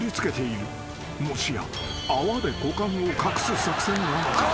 ［もしや泡で股間を隠す作戦なのか？］